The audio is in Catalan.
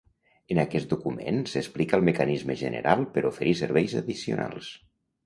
En aquest document s'explica el mecanisme general per oferir serveis addicionals.